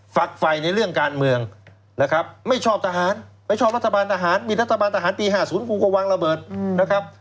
ฝักไฟในเรื่องการเมืองนะครับไม่ชอบทหารไม่ชอบรัฐบาลทหารมีรัฐบาลทหารปี๕๐กูก็วางระเบิดนะครับ